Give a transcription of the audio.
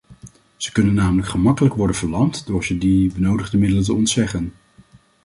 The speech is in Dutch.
Ze kunnen namelijk gemakkelijk worden verlamd door ze die benodigde middelen te ontzeggen.